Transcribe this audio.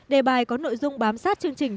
đề bài có nội dung bám sát chương trình truyền hình